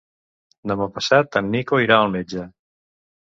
Demà passat en Nico irà al metge.